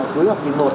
cuối học thứ một